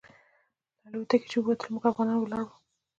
له الوتکې چې ووتلو موږ افغانان ولاړ وو.